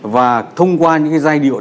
và thông qua những cái giai điệu này